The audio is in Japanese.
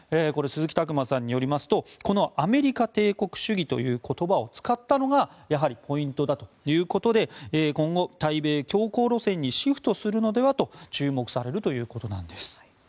これ、鈴木琢磨さんによりますとアメリカ帝国主義という言葉を使ったのがやはりポイントだということで今後、対米強硬路線にシフトするのではと注目されるということなんです。